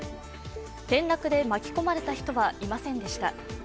転落で巻き込まれた人はいませんでした。